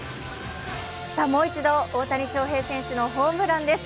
もう一度、大谷翔平選手のホームランです。